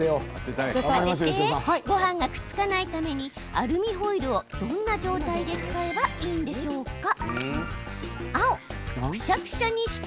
ごはんがくっつかないためにアルミホイルをどんな状態で使えばいいんでしょうか？